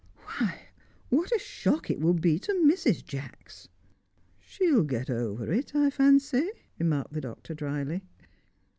"Why, what a shock it will be to Mrs. Jacks!" "She'll get over it, I fancy," remarked the Doctor drily.